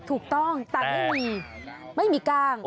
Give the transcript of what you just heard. ถูกต้องแต่ไม่มีกลาง